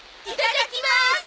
いただきまーす！